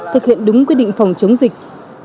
thực hiện đúng quy định phòng chống dịch